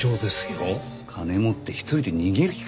金持って１人で逃げる気か？